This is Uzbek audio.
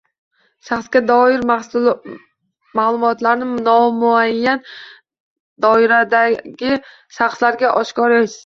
Shaxsga doir ma’lumotlarni nomuayyan doiradagi shaxslarga oshkor etishga